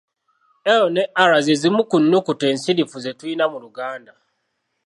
L ne r ze zimu ku nnukuta ensirifu ze tulina mu Luganda.